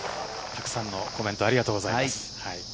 たくさんのコメントありがとうございます。